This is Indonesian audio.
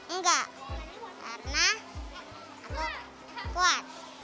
enggak karena aku kuat